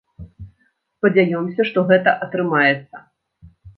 Спадзяёмся, што гэта атрымаецца.